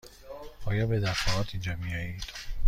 آیا به دفعات اینجا می آیید؟